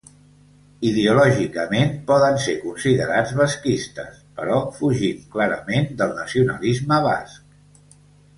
Ideològicament poden ser considerats basquistes però fugint clarament del nacionalisme basc.